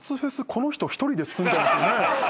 この人一人で済んじゃいますね。